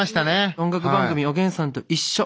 音楽番組「おげんさんといっしょ」。